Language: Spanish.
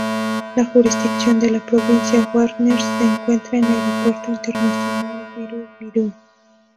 En la jurisdicción de la provincia Warnes se encuentra el Aeropuerto Internacional Viru Viru.